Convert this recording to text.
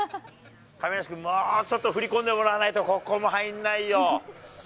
亀梨君、もうちょっと振り込んでもらわないと、ここも入らないよ。